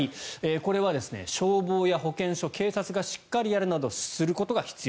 これは消防や保健所、警察などがしっかりやるなどすることが必要。